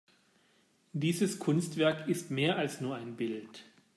Dieses Kunstwerk ist mehr als nur ein Bild.